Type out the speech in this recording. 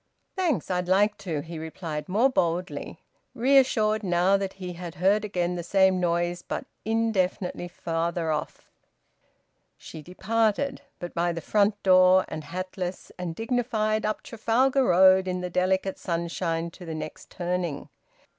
"Thanks! I'd like to," he replied more boldly, reassured now that he had heard again the same noise but indefinitely farther off. She departed, but by the front door, and hatless and dignified up Trafalgar Road in the delicate sunshine to the next turning.